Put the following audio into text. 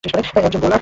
একজন বোলার।